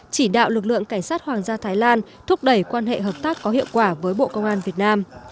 chỉ đạo lực lượng cảnh sát hoàng gia thái lan thúc đẩy quan hệ hợp tác có hiệu quả với bộ công an việt nam